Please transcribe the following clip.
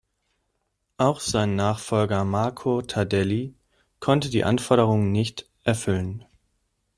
Auch sein Nachfolger Marco Tardelli konnte die Anforderungen nicht erfüllen.